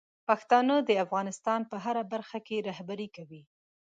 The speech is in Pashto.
پښتانه د افغانستان په هره برخه کې رهبري کوي.